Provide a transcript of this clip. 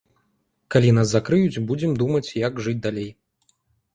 Калі нас закрыюць, будзем думаць, як жыць далей.